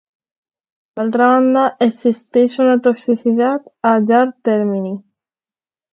D'altra banda, existeix una toxicitat a llarg termini.